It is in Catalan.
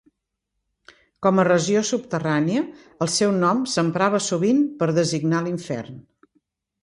Com a regió subterrània, el seu nom s'emprava sovint per designar l'infern.